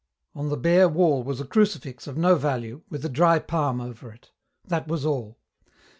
On the bare wall was a crucifix of no value, with a dry palm over it. That was all.